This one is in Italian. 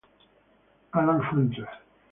Allan Hunter